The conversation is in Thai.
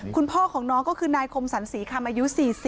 คุณพ่อของน้องก็คือนายคมสรรศรีคำอายุ๔๐